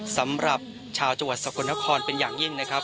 สำหรับชาวจังหวัดสกลนครเป็นอย่างยิ่งนะครับ